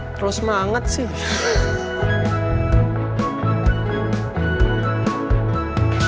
terus semangat sih